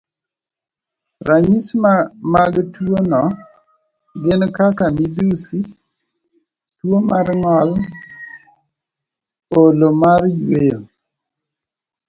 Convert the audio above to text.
Ranyisi mag tuwono gin kaka midhusi, tuwo mar ng'ol, olo mar yweyo,